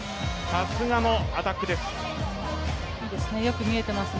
さすがのアタックです。